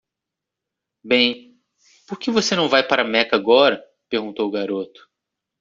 "Bem? por que você não vai para Meca agora??" Perguntou o garoto.